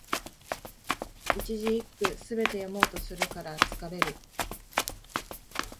一字一句、すべて読もうとするから疲れる